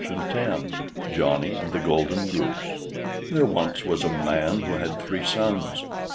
JOHNNY AND THE GOLDEN GOOSE There was once a man who had three sons.